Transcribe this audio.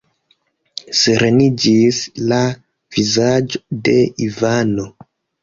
Sereniĝis la vizaĝo de Ivano.